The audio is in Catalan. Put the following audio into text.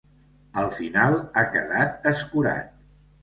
Al final, ha quedat escurat.